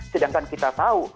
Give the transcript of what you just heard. sedangkan kita tahu